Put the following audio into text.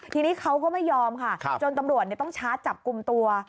ทีนี้เขาก็ไม่ยอมค่ะจนตำรวจต้องชาร์จจับกลุ่มตัว